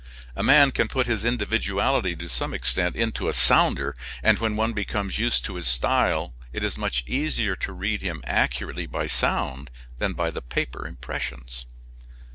A man can put his individuality to some extent into a sounder, and when one becomes used to his style it is much easier to read him accurately by sound than by the paper impressions.